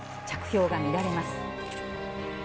着氷が乱れます。